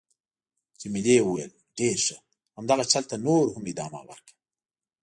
جميلې وويل:: ډېر ښه. همدغه چل ته نور هم ادامه ورکړه.